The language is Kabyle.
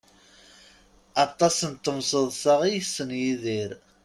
Aṭas n temseḍṣa i yessen Yidir.